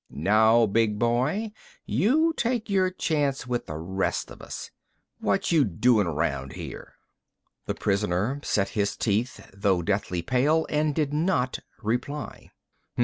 "Now, big boy, you take your chance with th' rest of us. What' you doin' around here?" The prisoner set his teeth, though deathly pale, and did not reply.